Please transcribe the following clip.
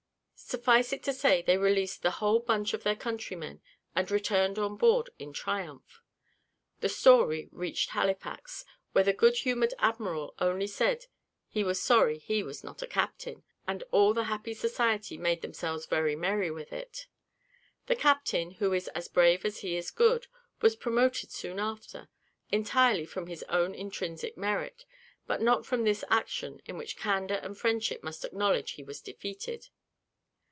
Suffice it to say, they released the whole of their countrymen, and returned on board in triumph. The story reached Halifax, where the good humoured admiral only said he was sorry he was not a captain, and all the happy society made themselves very merry with it. The captain, who is as brave as he is good, was promoted soon after, entirely from his own intrinsic merit, but not for this action, in which candour and friendship must acknowledge he was defeated.